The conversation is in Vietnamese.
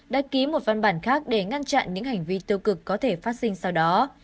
đã ký một văn bản khác để ngăn chặn những hành vi tiêu cực có thể phát sinh sau đó